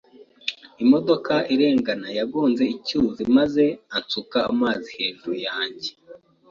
Imodoka irengana yagonze icyuzi maze ansuka amazi hejuru yanjye.